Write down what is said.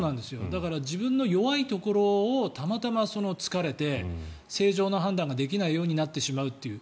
だから自分の弱いところをたまたま突かれて正常な判断ができないようになってしまうという。